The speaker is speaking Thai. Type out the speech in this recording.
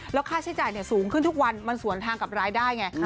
แล้วค่าใช้จ่ายสูงขึ้นทุกวันมันสวนทางกับรายได้ไง